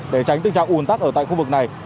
để tránh tình trạng ủn tắc ở tại khu vực này